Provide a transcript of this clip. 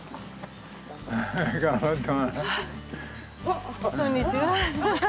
頑張って。